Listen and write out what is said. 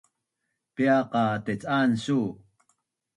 Piaq qa tec’an su?